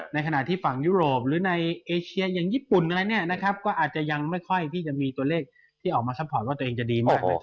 ในขณะที่ฝั่งยุโรปหรือในเอเชียอย่างญี่ปุ่นอะไรเนี่ยนะครับก็อาจจะยังไม่ค่อยที่จะมีตัวเลขที่ออกมาซัพพอร์ตว่าตัวเองจะดีมากเลย